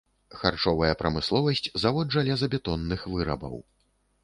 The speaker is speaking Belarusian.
Харчовая прамысловасць, завод жалезабетонных вырабаў.